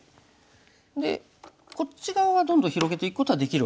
でこっち側はどんどん広げていくことはできるわけですね。